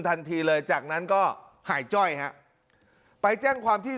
ทันทีเลยจากนั้นก็หายจ้อยฮะไปแจ้งความที่